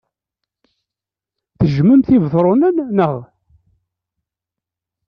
Tejjmemt Ibetṛunen, naɣ?